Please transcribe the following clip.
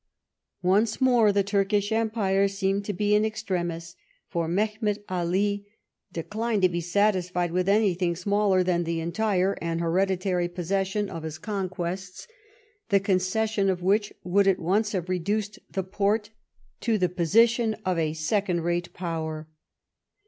Once more the Turkish empire seemed to be in extremis, for Mehemet Ali declined to be satisfied with anything smaller than the entire and hereditary posses sion of his conquests, the concession of which would at once have reduced the Porte to the position of a second rate Power.